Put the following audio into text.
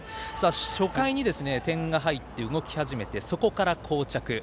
初回に点が入って動き始めてそこから、こう着。